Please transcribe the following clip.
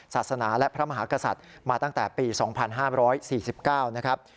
ศาสนาและพระมหากษัตริย์มาตั้งแต่ปี๒๕๔๙นะครับ